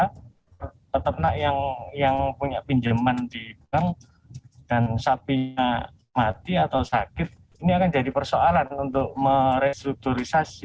karena peternak yang punya pinjaman di bank dan sapi mati atau sakit ini akan jadi persoalan untuk merestrukturisasi